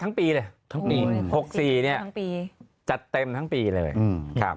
แต่ว่าเรื่องนึงไม่ว่าจะวงการไหนยังไงก็ต้องระวังคือเรื่องสุขภาพ